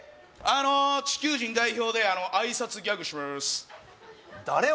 あのう地球人代表で挨拶ギャグします誰？